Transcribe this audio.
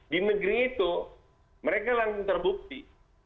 di negeri itu mereka langsung terbukti